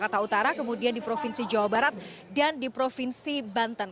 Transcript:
kemudian di jawa utara kemudian di provinsi jawa barat dan di provinsi banten